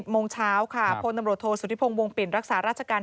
๑๐โมงเช้าค่ะพตโทสุธิพงค์วงปิ่นรักษาราชการ